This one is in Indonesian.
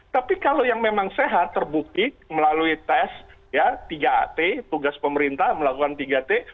tapi kalau yang memang sehat terbukti melalui tes tiga at tugas pemerintah melakukan tiga t